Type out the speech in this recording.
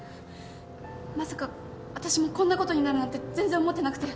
まさかあたしもこんなことになるなんて全然思ってなくて。